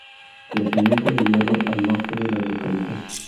Yacimiento de hierro al Norte de la localidad.